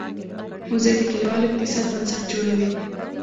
وزې د کلیوالو اقتصاد بنسټ جوړوي